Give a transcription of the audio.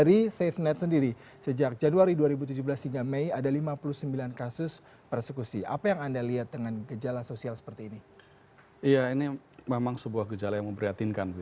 ini memang sebuah gejala yang memprihatinkan